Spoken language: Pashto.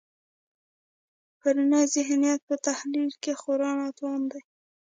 پرونی ذهنیت په تحلیل کې خورا ناتوانه دی.